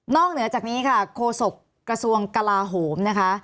เหนือจากนี้ค่ะโฆษกระทรวงกลาโหมนะคะ